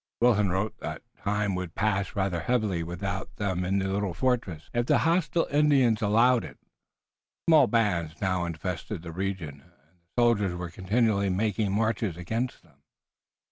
Wilton wrote that time would pass rather heavily with them in the little fortress, if the hostile Indians allowed it. Small bands now infested that region, and the soldiers were continually making marches against them.